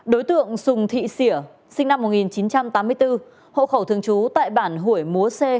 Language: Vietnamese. đối tượng sùng thị xỉa sinh năm một nghìn chín trăm tám mươi bốn hộ khẩu thường trú tại bản hủy múa c